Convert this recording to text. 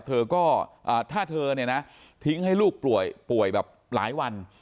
เธอก็ถ้าเธอเนี่ยนะทิ้งให้ลูกป่วยแบบหลายวัน